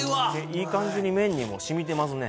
いい感じに麺にも染みてますね